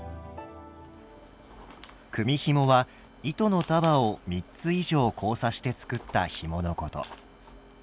組みひもは糸の束を３つ以上交差して作ったひものこと。